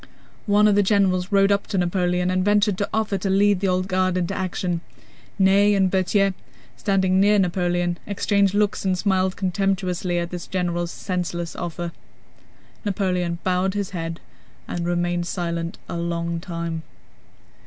One of the generals rode up to Napoleon and ventured to offer to lead the Old Guard into action. Ney and Berthier, standing near Napoleon, exchanged looks and smiled contemptuously at this general's senseless offer. Napoleon bowed his head and remained silent a long time.